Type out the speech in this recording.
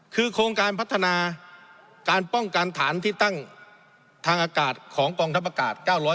คือโครงการพัฒนาการป้องกันฐานที่ตั้งทางอากาศของกองทัพอากาศ๙๐